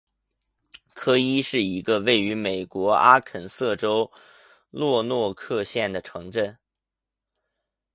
科伊是一个位于美国阿肯色州洛诺克县的城镇。